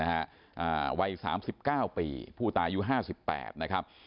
อ่าไว้สามสิบเก้าปีผู้ตายอยู่ห้าสิบแปดนะคับ